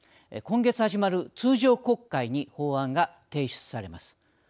今月始まる通常国会に法案が提出されます。